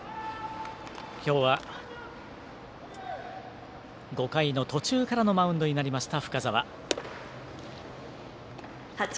今日は５回の途中からのマウンドになりました、深沢。